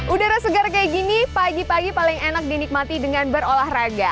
udara segar kayak gini pagi pagi paling enak dinikmati dengan berolahraga